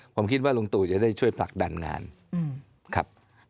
ผมคิดว่าลุงตู่จะได้ช่วยผลักดันงานครับ